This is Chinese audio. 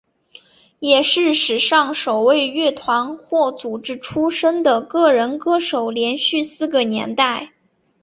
也是史上首位乐团或组合出身的个人歌手连续四个年代。